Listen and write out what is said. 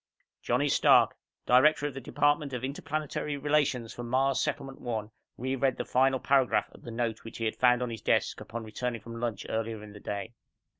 _ Johnny Stark, director of the department of Interplanetary Relations for Mars' Settlement One, reread the final paragraph of the note which he had found on his desk, upon returning from lunch earlier in the day.